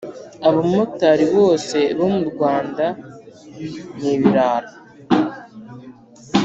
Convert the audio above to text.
Abamotari bose bo mu Rwanda ni ibirara